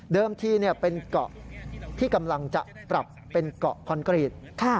ทีเป็นเกาะที่กำลังจะปรับเป็นเกาะคอนกรีต